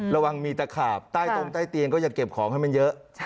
ระวังมีตะขาบใต้ตรงใต้เตียงก็อย่าเก็บของให้มันเยอะ